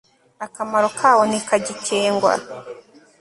akamaro kawo ntikagikengwa